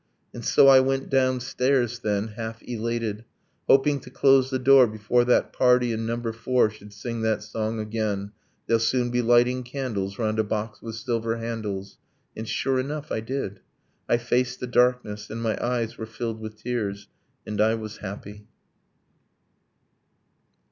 . And so I went downstairs, then, half elated, Hoping to close the door before that party In number four should sing that song again 'They'll soon be lighting candles round a box with silver handles' And sure enough, I did. I faced the darkness. And my eyes were filled with tears. And I was happy.